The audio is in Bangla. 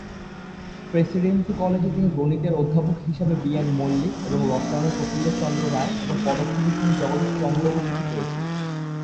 প্রেসিডেন্সি কলেজে তিনি গণিতের অধ্যাপক হিসাবে বি এন মল্লিক এবং রসায়নে প্রফুল্ল চন্দ্র রায় এবং পদার্থবিজ্ঞানে জগদীশচন্দ্র বসুকে পেয়েছিলেন।